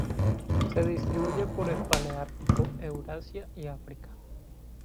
Se distribuye por el Paleártico: Eurasia y África.